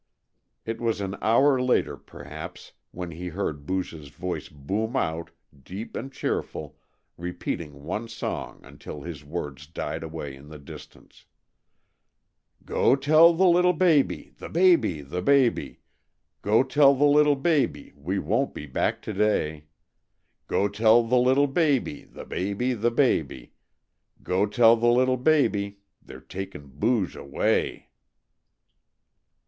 It was an hour later, perhaps, when he heard Booge's voice boom out, deep and cheerful, repeating one song until his words died away in the distance: Go tell the little baby, the baby, the baby, Go tell the little baby we won't be back to day; Go tell the little baby, the baby, the baby, Go tell the little baby they're takin' Booge away.